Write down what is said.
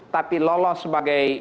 tapi lolos sebagai